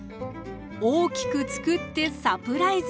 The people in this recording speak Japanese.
大きくつくってサプライズ。